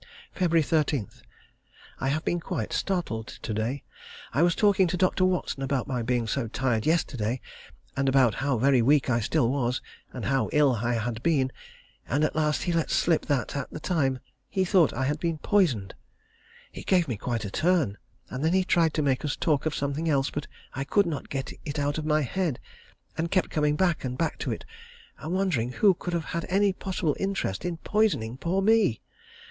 Feb. 13. I have been quite startled to day. I was talking to Dr. Watson about my being so tired yesterday, and about how very weak I still was, and how ill I had been and, at last, he let slip that, at the time, he thought I had been poisoned. It gave me quite a turn, and then he tried to make us talk of something else, but I could not get it out of my head, and kept coming back and back to it, and wondering who could have had any possible interest in poisoning poor me.